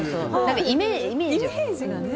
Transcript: イメージがね。